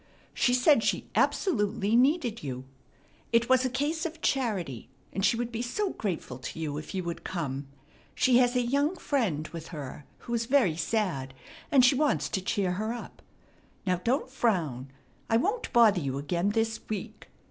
She said she absolutely needed you. It was a case of charity, and she would be so grateful to you if you would come. She has a young friend with her who is very sad, and she wants to cheer her up. Now don't frown. I won't bother you again this week.